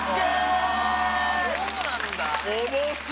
どうなんだ？